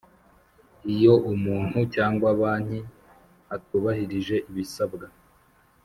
Iyo umuntu cyangwa banki atubahirije ibisabwa